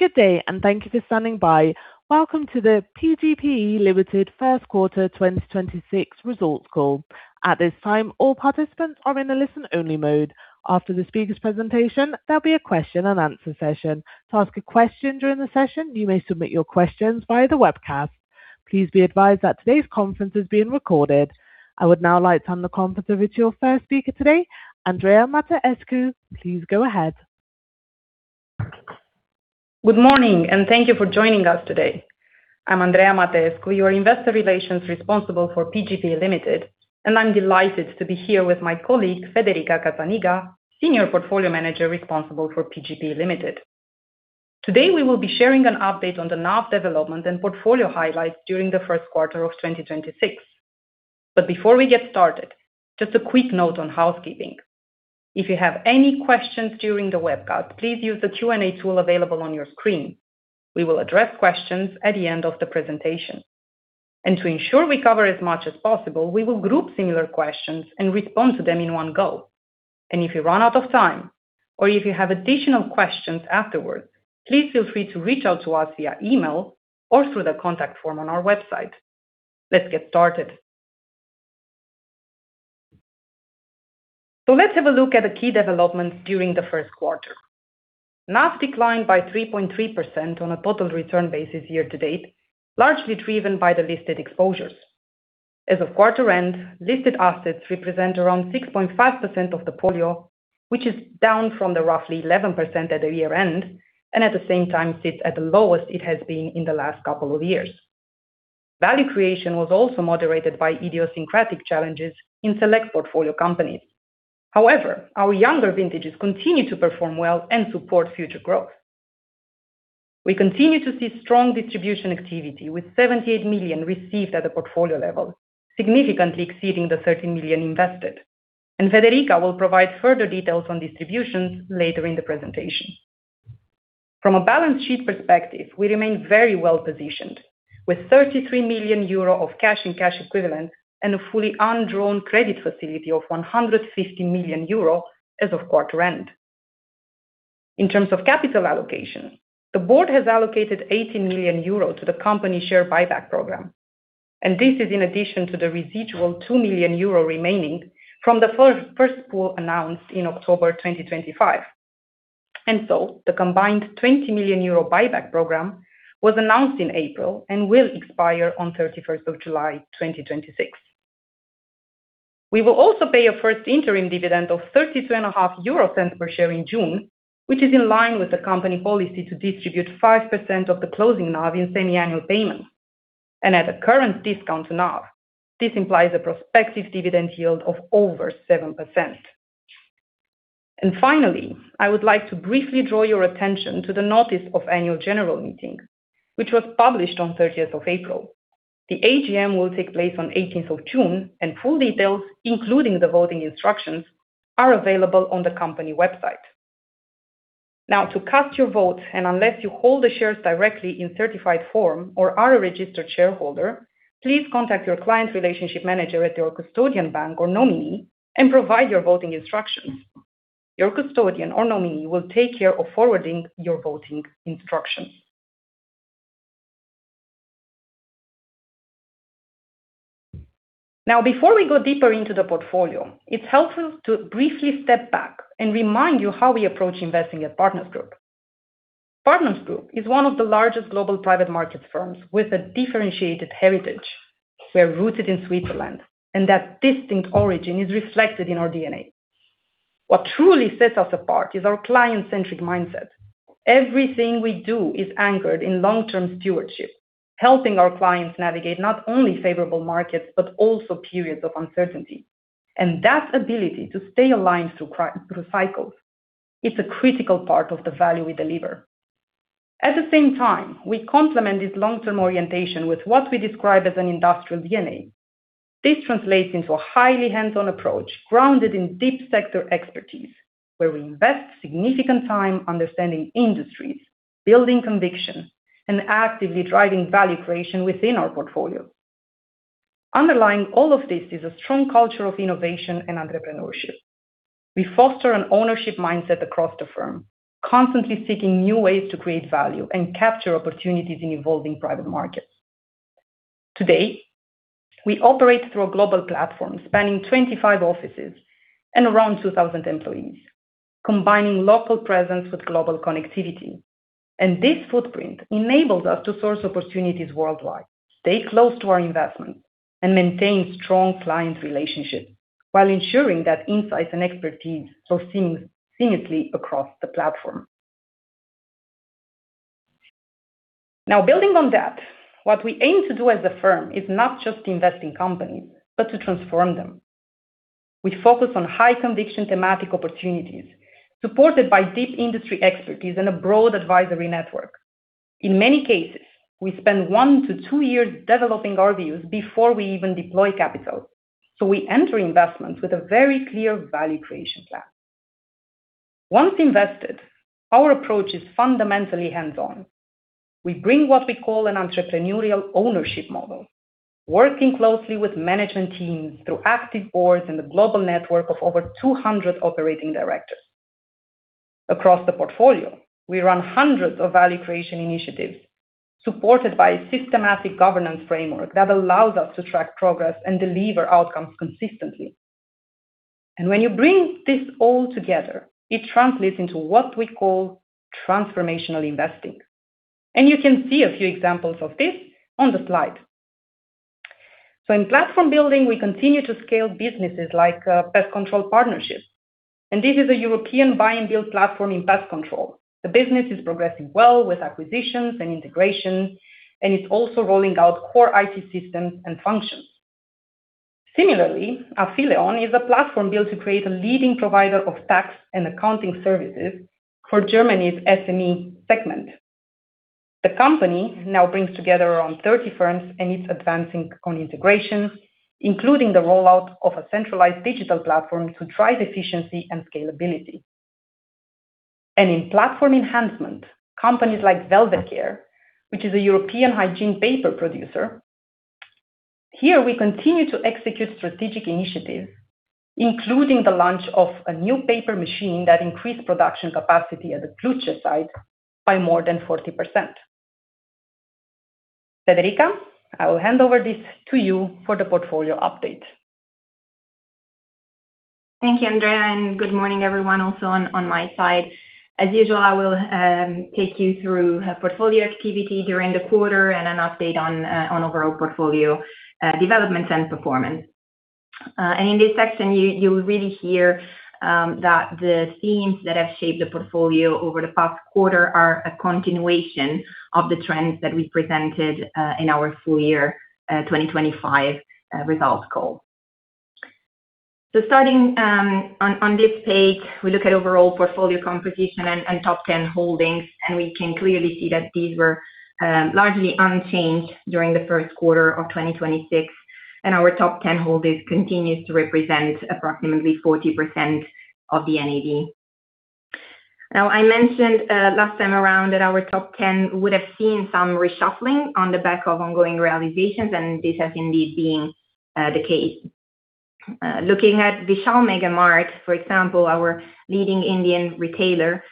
Good day. Thank you for standing by. Welcome to the PGPE Limited First Quarter 2026 Results Call. At this time, all participants are in a listen-only mode. After the speaker's presentation, there'll be a question and answer session. To ask a question during the session, you may submit your questions via the webcast. Please be advised that today's conference is being recorded. I would now like to hand the conference over to our first speaker today, Andreea Mateescu. Please go ahead. Good morning. Thank you for joining us today. I'm Andreea Mateescu, your Investor Relations responsible for PGPE Ltd, and I'm delighted to be here with my colleague, Federica Cazzaniga, Senior Portfolio Manager responsible for PGPE Ltd. Today, we will be sharing an update on the NAV development and portfolio highlights during the first quarter of 2026. Before we get started, just a quick note on housekeeping. If you have any questions during the webcast, please use the Q&A tool available on your screen. We will address questions at the end of the presentation. To ensure we cover as much as possible, we will group similar questions and respond to them in one go. If we run out of time, or if you have additional questions afterward, please feel free to reach out to us via email or through the contact form on our website. Let's get started. Let's have a look at the key developments during the first quarter. NAV declined by 3.3% on a total return basis year-to-date, largely driven by the listed exposures. As of quarter end, listed assets represent around 6.5% of the portfolio, which is down from the roughly 11% at the year-end, and at the same time sits at the lowest it has been in the last couple of years. Value creation was also moderated by idiosyncratic challenges in select portfolio companies. Our younger vintages continue to perform well and support future growth. We continue to see strong distribution activity, with 78 million received at the portfolio level, significantly exceeding the 13 million invested. Federica Cazzaniga will provide further details on distributions later in the presentation. From a balance sheet perspective, we remain very well-positioned, with 33 million euro of cash and cash equivalents and a fully undrawn credit facility of 150 million euro as of quarter end. In terms of capital allocation, the board has allocated 18 million euro to the company share buyback program, this is in addition to the residual 2 million euro remaining from the first pool announced in October 2025. The combined 20 million euro buyback program was announced in April and will expire on 31st of July 2026. We will also pay a first interim dividend of 0.325 per share in June, which is in line with the company policy to distribute 5% of the closing NAV in semiannual payments. At a current discount to NAV, this implies a prospective dividend yield of over 7%. Finally, I would like to briefly draw your attention to the notice of Annual General Meeting, which was published on 30th of April. The AGM will take place on 18th of June, and full details, including the voting instructions, are available on the company website. To cast your vote, and unless you hold the shares directly in certified form or are a registered shareholder, please contact your client relationship manager at your custodian bank or nominee and provide your voting instructions. Your custodian or nominee will take care of forwarding your voting instructions. Before we go deeper into the portfolio, it's helpful to briefly step back and remind you how we approach investing at Partners Group. Partners Group is one of the largest global private markets firms with a differentiated heritage. We are rooted in Switzerland, and that distinct origin is reflected in our DNA. What truly sets us apart is our client-centric mindset. Everything we do is anchored in long-term stewardship, helping our clients navigate not only favorable markets but also periods of uncertainty. That ability to stay aligned through cycles, it's a critical part of the value we deliver. At the same time, we complement this long-term orientation with what we describe as an industrial DNA. This translates into a highly hands-on approach grounded in deep sector expertise, where we invest significant time understanding industries, building conviction, and actively driving value creation within our portfolio. Underlying all of this is a strong culture of innovation and entrepreneurship. We foster an ownership mindset across the firm, constantly seeking new ways to create value and capture opportunities in evolving private markets. Today, we operate through a global platform spanning 25 offices and around 2,000 employees, combining local presence with global connectivity. This footprint enables us to source opportunities worldwide, stay close to our investments, and maintain strong client relationships while ensuring that insights and expertise flow seamlessly across the platform. Building on that, what we aim to do as a firm is not just invest in companies, but to transform them. We focus on high-conviction thematic opportunities supported by deep industry expertise and a broad advisory network. In many cases, we spend one to two years developing our views before we even deploy capital. We enter investments with a very clear value creation plan. Once invested, our approach is fundamentally hands-on. We bring what we call an entrepreneurial ownership model, working closely with management teams through active boards and a global network of over 200 operating directors. Across the portfolio, we run hundreds of value creation initiatives supported by a systematic governance framework that allows us to track progress and deliver outcomes consistently. When you bring this all together, it translates into what we call transformational investing. You can see a few examples of this on the slide. In platform building, we continue to scale businesses like The Pest Control Partnership, this is a European buy and build platform in pest control. The business is progressing well with acquisitions and integration, it's also rolling out core IT systems and functions. Similarly, Afileon is a platform built to create a leading provider of tax and accounting services for Germany's SME segment. The company now brings together around 30 firms, it's advancing on integration, including the rollout of a centralized digital platform to drive efficiency and scalability. In platform enhancement, companies like Velvet CARE, which is a European hygiene paper producer. Here we continue to execute strategic initiatives, including the launch of a new paper machine that increased production capacity at the Hlučín site by more than 40%. Federica, I will hand over this to you for the portfolio update. Thank you, Andreea, and good morning, everyone also on my side. As usual, I will take you through portfolio activity during the quarter and an update on overall portfolio developments and performance. In this section, you will really hear that the themes that have shaped the portfolio over the past quarter are a continuation of the trends that we presented in our full year 2025 results call. Starting on this page, we look at overall portfolio composition and top 10 holdings, and we can clearly see that these were largely unchanged during the first quarter of 2026, and our top 10 holdings continue to represent approximately 40% of the NAV. Now, I mentioned last time around that our top 10 would have seen some reshuffling on the back of ongoing realizations, and this has indeed been the case. Looking at Vishal Mega Mart, for example, our leading Indian retailer,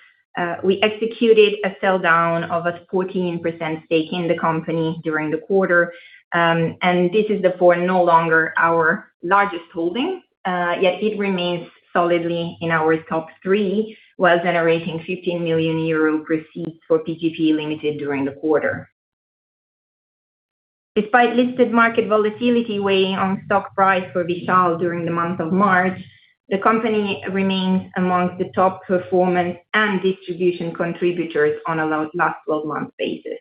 we executed a sell-down of a 14% stake in the company during the quarter. This is therefore no longer our largest holding, yet it remains solidly in our top three, while generating 15 million euro proceeds for PGPE Ltd during the quarter. Despite listed market volatility weighing on stock price for Vishal during the month of March, the company remains amongst the top performers and distribution contributors on a last 12-month basis.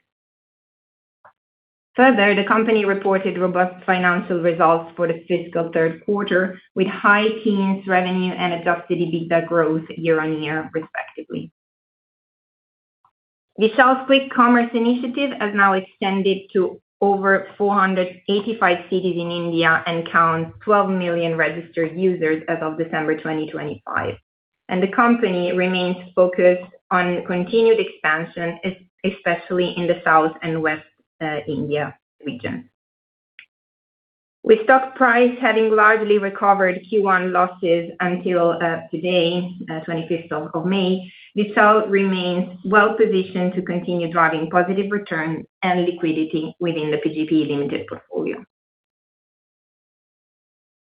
Further, the company reported robust financial results for the fiscal third quarter, with high teens revenue and adjusted EBITDA growth year-on-year, respectively. Vishal's Quick Commerce initiative has now extended to over 485 cities in India and counts 12 million registered users as of December 2025, and the company remains focused on continued expansion, especially in the South and West India region. With stock price having largely recovered Q1 losses until today, 25th of May, Vishal remains well-positioned to continue driving positive returns and liquidity within the PGPE Ltd portfolio.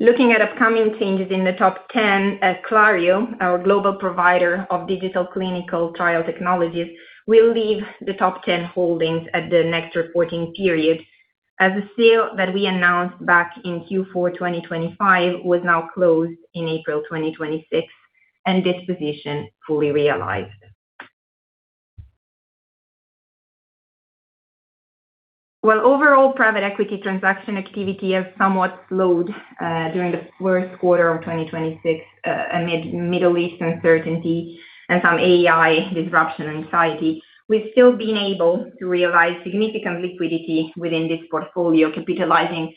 Looking at upcoming changes in the top 10, Clario, our global provider of digital clinical trial technologies, will leave the top 10 holdings at the next reporting period as the sale that we announced back in Q4 2025 was now closed in April 2026, and disposition fully realized. While overall private equity transaction activity has somewhat slowed during the first quarter of 2026 amid Middle East uncertainty and some AI disruption in society, we've still been able to realize significant liquidity within this portfolio, capitalizing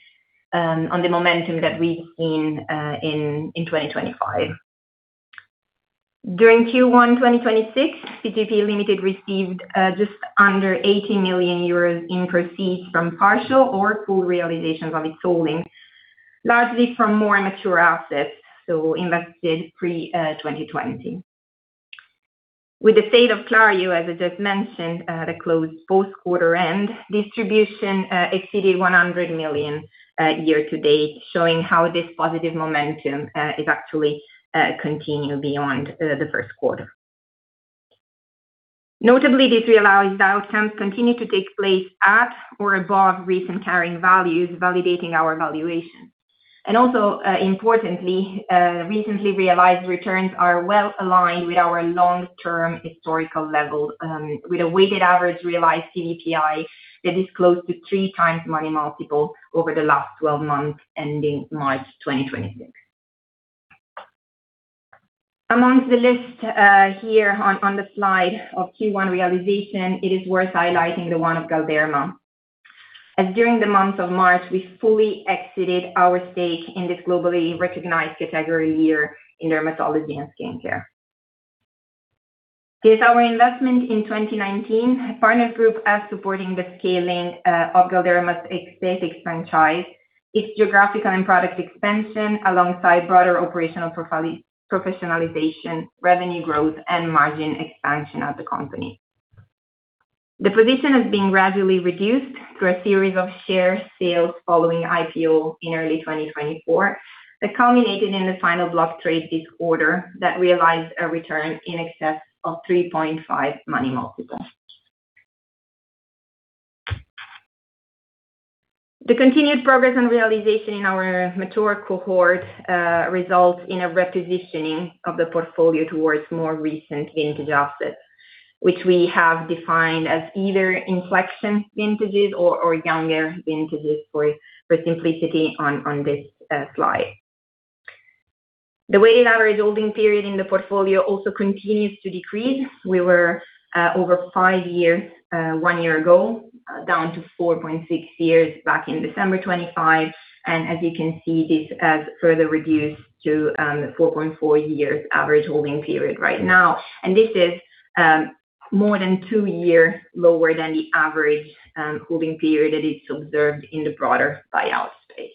on the momentum that we've seen in 2025. During Q1 2026, PGPE Ltd received just under 80 million euros in proceeds from partial or full realization of its holdings, largely from more mature assets, so invested pre-2020. With the sale of Clario, as I just mentioned, at a close fourth quarter end, distribution exceeded 100 million year to date, showing how this positive momentum is actually continuing beyond the first quarter. Notably, the realized outcomes continue to take place at or above recent carrying values, validating our valuations. Also importantly, recently realized returns are well-aligned with our long-term historical level, with a weighted average realized PVPI that is close to three times money multiple over the last 12 months ending March 2026. Amongst the list here on the slide of Q1 realization, it is worth highlighting the one Galderma as during the month of March, we fully exited our stake in this globally recognized category here in dermatology and skincare. It is our investment in 2019, Partners Group as supporting the scaling of Galderma's aesthetics franchise, its geographical and product expansion, alongside broader operational professionalization, revenue growth, and margin expansion of the company. The position has been gradually reduced through a series of share sales following IPO in early 2024, that culminated in the final block trade this quarter that realized a return in excess of 3.5 money multiple. The continued progress and realization in our mature cohort results in a repositioning of the portfolio towards more recent vintage assets, which we have defined as either inflection vintages or younger vintages for simplicity on this slide. The weighted average holding period in the portfolio also continues to decrease. We were over five years, one year ago, down to 4.6 years back in December 25, and as you can see, this has further reduced to 4.4 years average holding period right now. This is more than two years lower than the average holding period that is observed in the broader buyout space.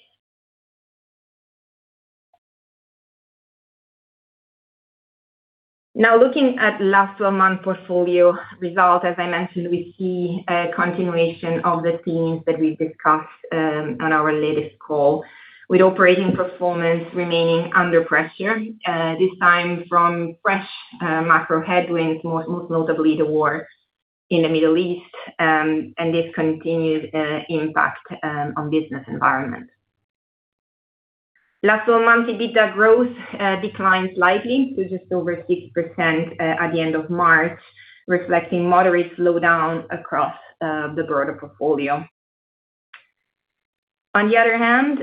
Now, looking at last 12-month portfolio result, as I mentioned, we see a continuation of the themes that we discussed on our latest call, with operating performance remaining under pressure, this time from fresh macro headwinds, most notably the war in the Middle East, and this continued impact on business environment. Last 12-month EBITDA growth declined slightly to just over 6% at the end of March, reflecting moderate slowdown across the broader portfolio. On the other hand,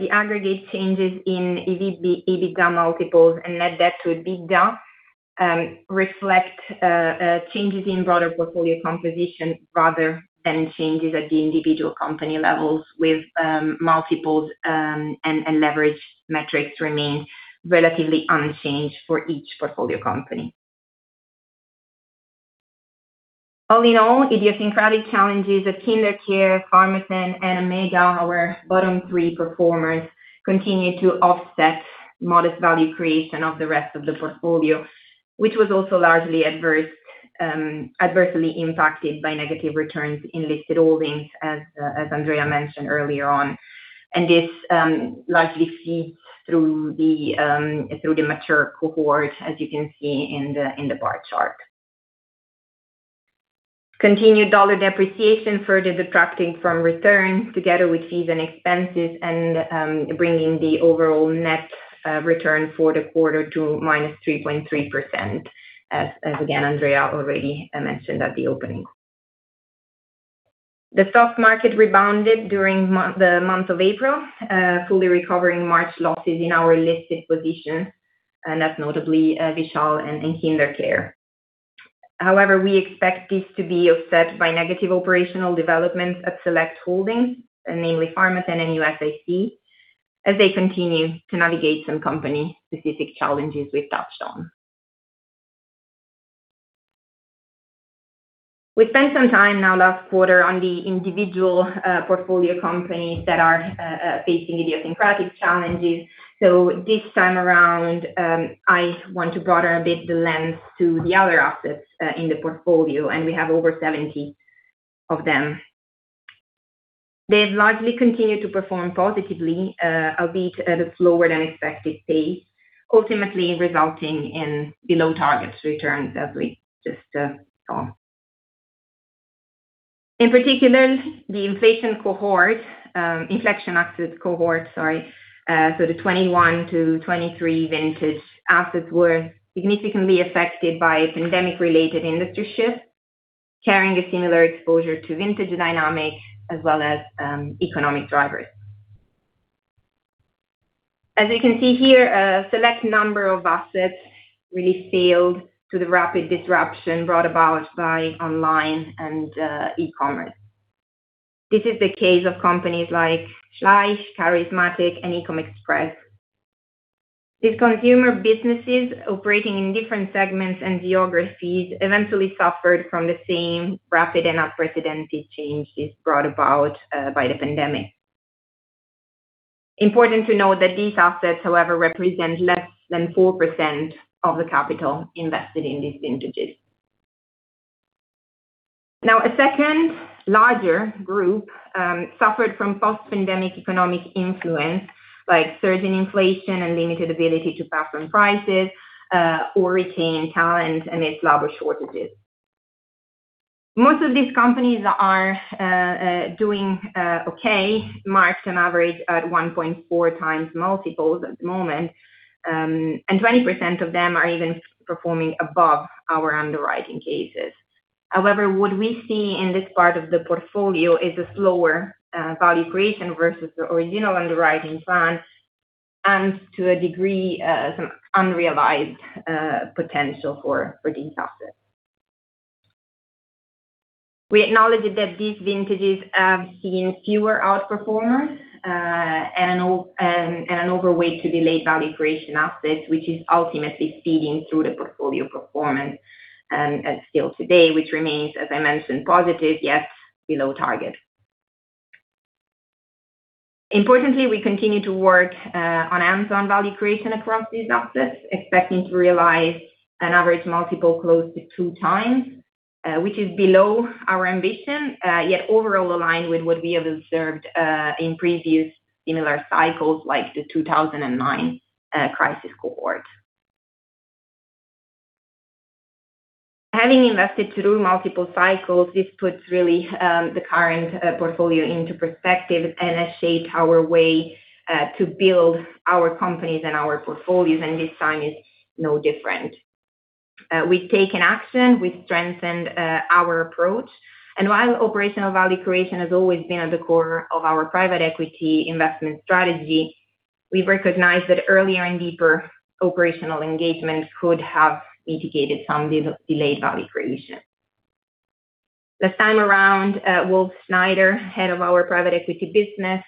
the aggregate changes in EBITDA multiples and net debt to EBITDA reflect changes in broader portfolio composition rather than changes at the individual company levels with multiples and leverage metrics remain relatively unchanged for each portfolio company. All in all, idiosyncratic challenges at KinderCare, Pharmathen, and AMMEGA, our bottom three performers, continue to offset modest value creation of the rest of the portfolio, which was also largely adversely impacted by negative returns in listed holdings, as Andreea mentioned earlier on. This largely feeds through the mature cohort, as you can see in the bar chart. Continued dollar depreciation further detracting from returns, together with fees and expenses, and bringing the overall net return for the quarter to -3.3%, as again, Andreea already mentioned at the opening. The stock market rebounded during the month of April, fully recovering March losses in our listed positions, and that's notably Vishal and KinderCare. We expect this to be offset by negative operational developments at select holdings, namely Pharmathen and USIC, as they continue to navigate some company-specific challenges we've touched on. We've spent some time now last quarter on the individual portfolio companies that are facing idiosyncratic challenges. This time around, I want to broaden a bit the lens to the other assets in the portfolio, and we have over 70 of them. They've largely continued to perform positively, albeit at a slower than expected pace, ultimately resulting in below targets returns as we just saw. In particular, the inflection asset cohort, sorry, so the 2021 to 2023 vintage assets were significantly affected by pandemic-related industry shifts, carrying a similar exposure to vintage dynamics as well as economic drivers. As you can see here, a select number of assets really failed to the rapid disruption brought about by online and e-commerce. This is the case of companies like Schleich, Careismatic, and Ecom Express. These consumer businesses operating in different segments and geographies eventually suffered from the same rapid and unprecedented changes brought about by the pandemic. Important to note that these assets, however, represent less than 4% of the capital invested in these vintages. Now, a second larger group suffered from post-pandemic economic influence like surge in inflation and limited ability to pass on prices, or retain talent amidst labor shortages. Most of these companies are doing okay, marked on average at 1.4x multiples at the moment, and 20% of them are even performing above our underwriting cases. What we see in this part of the portfolio is a slower value creation versus the original underwriting plan. To a degree, some unrealized potential for these assets. We acknowledge that these vintages have seen fewer out-performers, and an overweight to delayed value creation assets, which is ultimately feeding through the portfolio performance, and still today, which remains, as I mentioned, positive, yet below target. Importantly, we continue to work on hands-on value creation across these assets, expecting to realize an average multiple close to 2x, which is below our ambition, yet overall aligned with what we have observed in previous similar cycles, like the 2009 crisis cohort. Having invested through multiple cycles, this puts really the current portfolio into perspective and has shaped our way to build our companies and our portfolios, and this time is no different. We've taken action. We've strengthened our approach. While operational value creation has always been at the core of our private equity investment strategy, we've recognized that earlier and deeper operational engagement could have mitigated some of this delayed value creation. This time around, Wolf-Henning Scheider, head of our private equity business,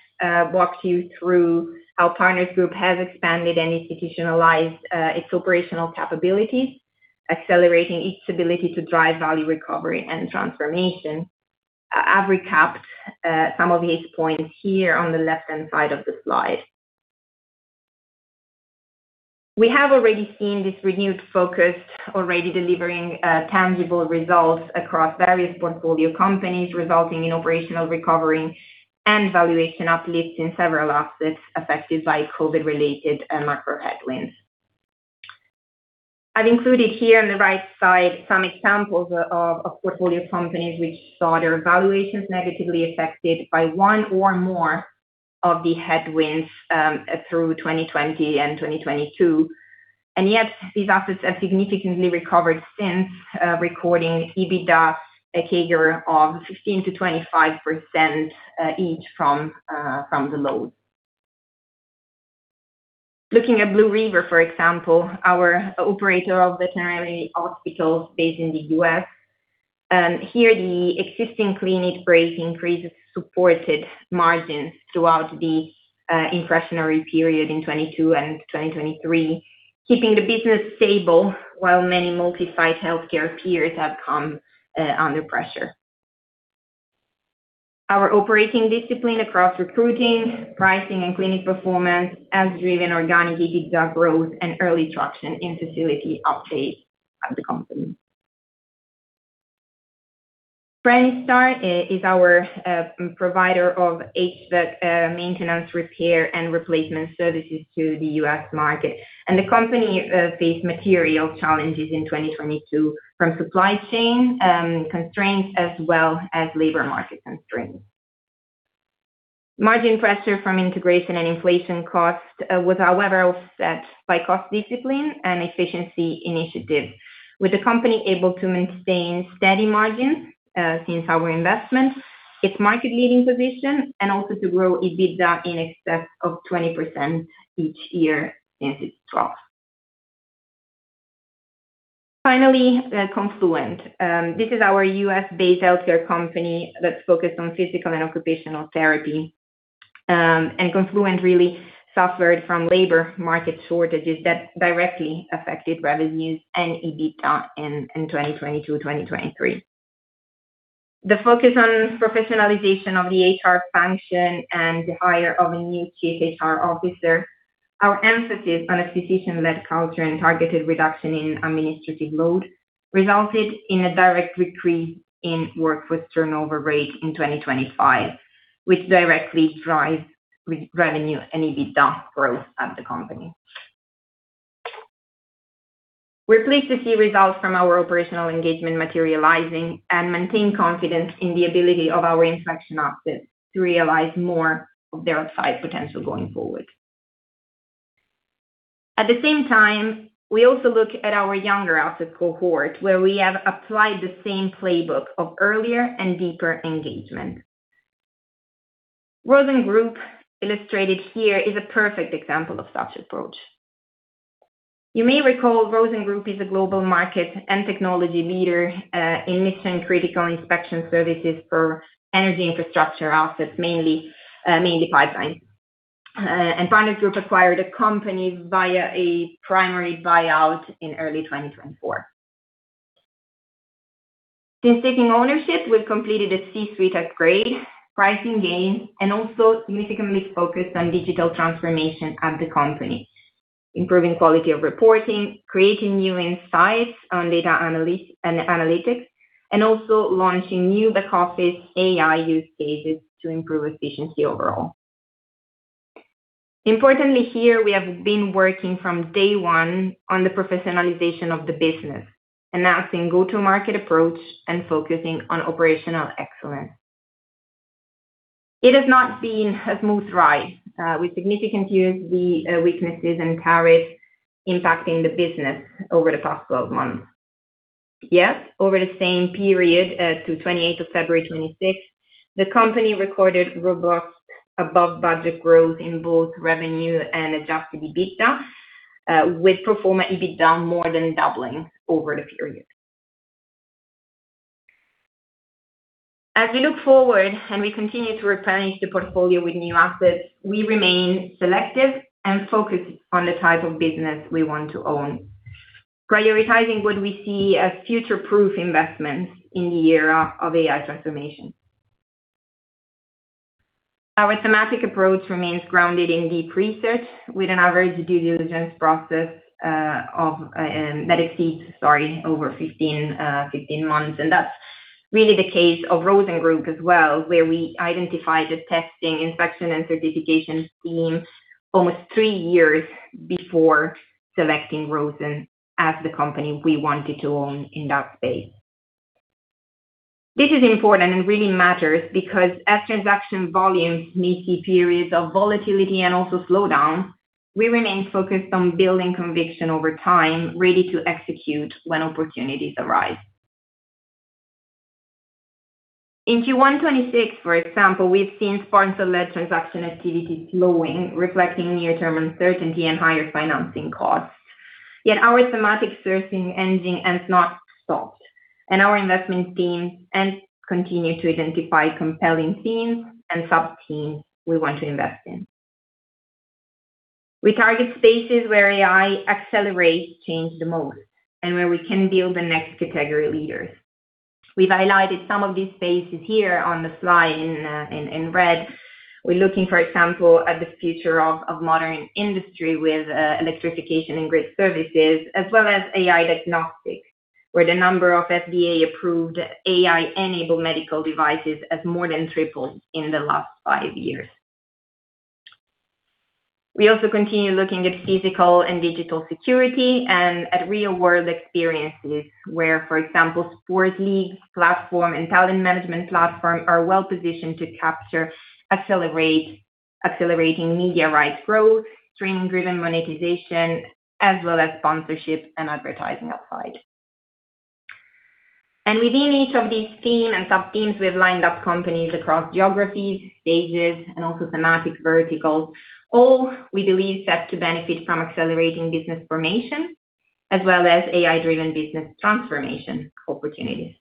walked you through how Partners Group has expanded and institutionalized its operational capabilities, accelerating its ability to drive value recovery and transformation. I've recapped some of his points here on the left-hand side of the slide. We have already seen this renewed focus already delivering tangible results across various portfolio companies, resulting in operational recovery and valuation uplift in several assets affected by COVID-related macro headwinds. I've included here on the right side some examples of portfolio companies which saw their valuations negatively affected by one or more of the headwinds through 2020 and 2022. Yet these assets have significantly recovered since recording EBITDA, a CAGR of 15%-25% each from the lows. Looking at Blue River, for example, our operator of veterinary hospitals based in the U.S. Here, the existing clinic base increase supported margins throughout the inflationary period in 2022 and 2023, keeping the business stable while many multi-site healthcare peers have come under pressure. Our operating discipline across recruiting, pricing, and clinic performance has driven organic EBITDA growth and early traction in facility uptake at the company. PremiStar is our provider of HVAC maintenance, repair, and replacement services to the U.S. market, and the company faced material challenges in 2022 from supply chain constraints as well as labor market constraints. Margin pressure from integration and inflation cost was however offset by cost discipline and efficiency initiatives. With the company able to maintain steady margins since our investment, its market-leading position, and also to grow EBITDA in excess of 20% each year since its trough. Finally, Confluent Health. This is our U.S.-based healthcare company that's focused on physical and occupational therapy. Confluent Health really suffered from labor market shortages that directly affected revenues and EBITDA in 2022, 2023. The focus on professionalization of the HR function and the hire of a new Chief HR Officer, our emphasis on a physician-led culture, and targeted reduction in administrative load resulted in a direct decrease in workforce turnover rate in 2025, which directly drives revenue and EBITDA growth at the company. We're pleased to see results from our operational engagement materializing and maintain confidence in the ability of our inflection assets to realize more of their upside potential going forward. At the same time, we also look at our younger asset cohort, where we have applied the same playbook of earlier and deeper engagement. ROSEN Group, illustrated here, is a perfect example of such approach. You may recall, ROSEN Group is a global market and technology leader in mission-critical inspection services for energy infrastructure assets, mainly pipelines. Partners Group acquired the company via a primary buyout in early 2024. Since taking ownership, we've completed a C-suite upgrade, pricing gains, and also significantly focused on digital transformation at the company, improving quality of reporting, creating new insights on data analytics, and also launching new back-office AI use cases to improve efficiency overall. Importantly here, we have been working from day one on the professionalization of the business, enhancing go-to-market approach and focusing on operational excellence. It has not been a smooth ride, with significant USD weaknesses and tariffs impacting the business over the past 12 months. Yes. Over the same period to 28th of February 2026, the company recorded robust above-budget growth in both revenue and adjusted EBITDA, with pro forma EBITDA more than doubling over the period. As we look forward and we continue to replenish the portfolio with new assets, we remain selective and focused on the type of business we want to own, prioritizing what we see as future-proof investments in the era of AI transformation. Our thematic approach remains grounded in deep research, with an average due diligence process that exceeds over 15 months. That's really the case of ROSEN Group as well, where we identified the testing, inspection, and certification theme almost three years before selecting ROSEN as the company we wanted to own in that space. This is important and really matters because as transaction volumes may see periods of volatility and also slowdowns, we remain focused on building conviction over time, ready to execute when opportunities arise. In Q1 2026, for example, we've seen sponsor-led transaction activity slowing, reflecting near-term uncertainty and higher financing costs. Our thematic searching engine has not stopped, and our investment teams continue to identify compelling themes and sub-themes we want to invest in. We target spaces where AI accelerates change the most, and where we can build the next category leaders. We've highlighted some of these spaces here on the slide in red. We're looking, for example, at the future of modern industry with electrification and grid services, as well as AI diagnostics, where the number of FDA-approved AI-enabled medical devices has more than tripled in the last five years. We also continue looking at physical and digital security and at real-world experiences where, for example, sports leagues platform and talent management platform are well-positioned to capture accelerating media rights growth, streaming-driven monetization, as well as sponsorship and advertising upside. Within each of these themes and sub-themes, we've lined up companies across geographies, stages, and also thematic verticals. All we believe set to benefit from accelerating business formation as well as AI-driven business transformation opportunities.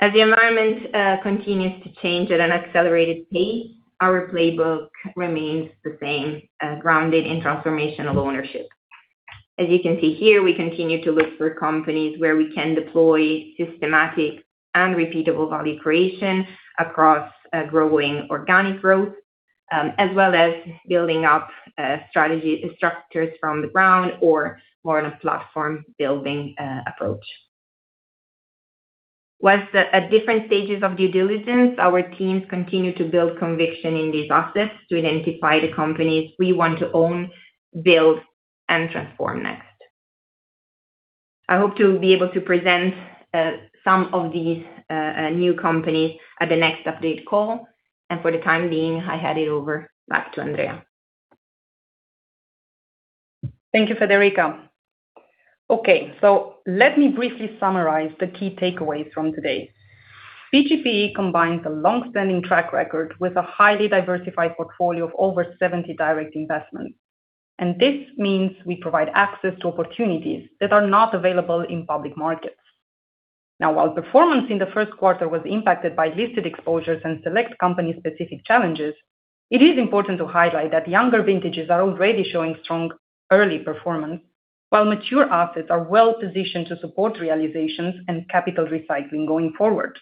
As the environment continues to change at an accelerated pace, our playbook remains the same, grounded in transformational ownership. As you can see here, we continue to look for companies where we can deploy systematic and repeatable value creation across growing organic growth, as well as building up strategy structures from the ground or more on a platform-building approach. Once at different stages of due diligence, our teams continue to build conviction in these assets to identify the companies we want to own, build, and transform next. I hope to be able to present some of these new companies at the next update call. For the time being, I hand it over back to Andreea. Thank you, Federica. Let me briefly summarize the key takeaways from today. PGPE combines a long-standing track record with a highly diversified portfolio of over 70 direct investments, and this means we provide access to opportunities that are not available in public markets. Now, while performance in the first quarter was impacted by listed exposures and select company-specific challenges, it is important to highlight that younger vintages are already showing strong early performance, while mature assets are well positioned to support realizations and capital recycling going forward.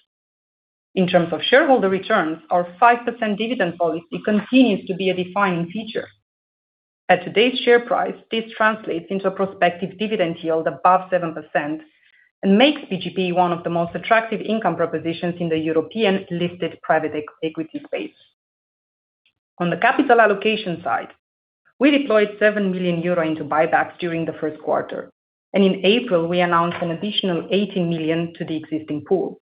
In terms of shareholder returns, our 5% dividend policy continues to be a defining feature. At today's share price, this translates into a prospective dividend yield above 7% and makes PGPE one of the most attractive income propositions in the European listed private equity space. On the capital allocation side, we deployed 7 million euro into buybacks during the first quarter. In April, we announced an additional 80 million to the existing pool.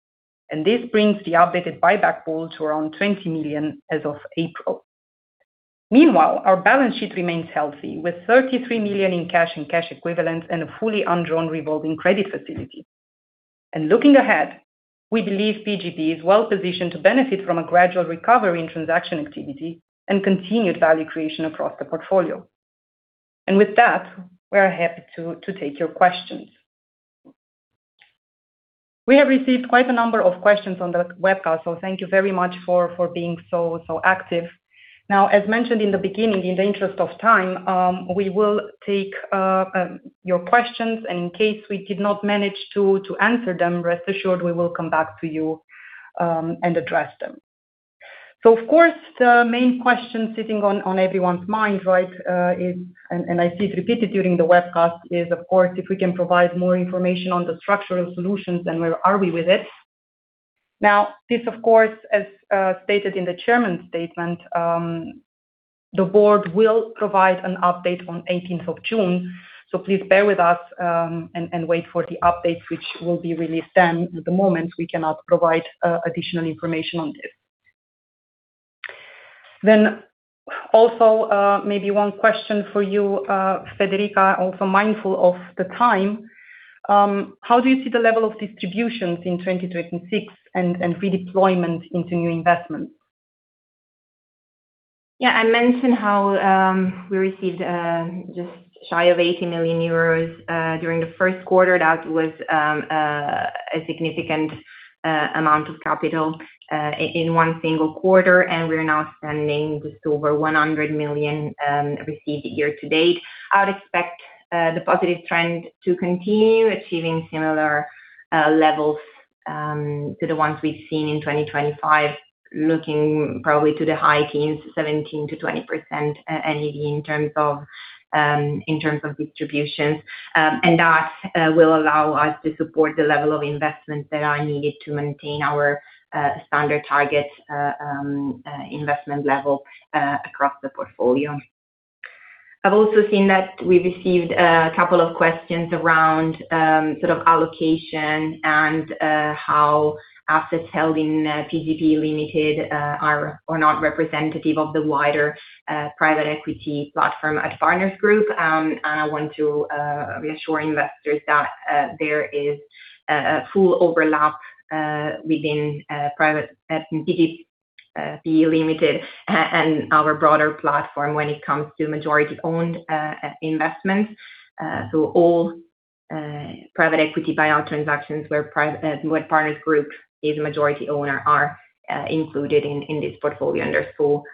This brings the updated buyback pool to around 20 million as of April. Meanwhile, our balance sheet remains healthy, with 33 million in cash and cash equivalents and a fully undrawn revolving credit facility. Looking ahead, we believe PGPE is well positioned to benefit from a gradual recovery in transaction activity and continued value creation across the portfolio. With that, we are happy to take your questions. We have received quite a number of questions on the webcast. Thank you very much for being so active. As mentioned in the beginning, in the interest of time, we will take your questions, and in case we did not manage to answer them, rest assured we will come back to you and address them. Of course, the main question sitting on everyone's minds, right, and I see it repeated during the webcast, is of course if we can provide more information on the structural solutions and where are we with it. This of course, as stated in the chairman's statement, the board will provide an update on 18th of June, please bear with us and wait for the update, which will be released then. At the moment, we cannot provide additional information on this. Also, maybe one question for you, Federica, also mindful of the time. How do you see the level of distributions in 2026 and redeployment into new investments? Yeah, I mentioned how we received just shy of 80 million euros during the first quarter. That was a significant amount of capital in one single quarter, and we're now standing just over 100 million received year to date. I would expect the positive trend to continue achieving similar levels to the ones we've seen in 2025, looking probably to the high teens, 17%-20% NAV in terms of distributions. That will allow us to support the level of investments that are needed to maintain our standard target investment level across the portfolio. I've also seen that we received a couple of questions around allocation and how assets held in PGPE Ltd are or not representative of the wider private equity platform at Partners Group. I want to reassure investors that there is a full overlap within private PGPE Ltd and our broader platform when it comes to majority-owned investments. All private equity buyout transactions where Partners Group is a majority owner are included in this portfolio. There's full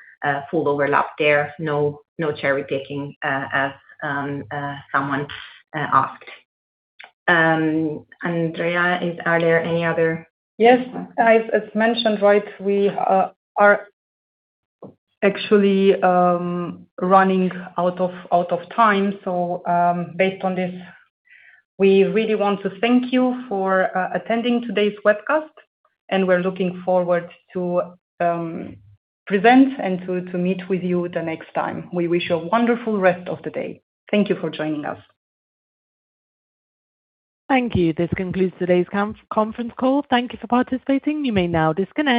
overlap there. No cherry-picking as someone asked. Andreea, are there any other? Yes. As mentioned, we are actually running out of time. Based on this, we really want to thank you for attending today's webcast, and we're looking forward to present and to meet with you the next time. We wish you a wonderful rest of the day. Thank you for joining us. Thank you. This concludes today's conference call. Thank you for participating. You may now disconnect.